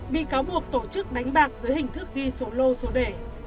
bị cáo buộc tổ chức đánh bạc dưới hình thức ghi số lô số đề